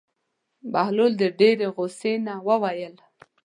بهلول د ډېرې غوسې نه وویل.